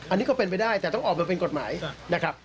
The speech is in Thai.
อันนี้ก็เป็นไปได้แต่ต้องออกมาเป็นกฎหมายนะครับ